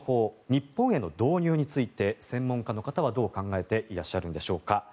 日本への導入について専門家の方は、どう考えていらっしゃるんでしょうか。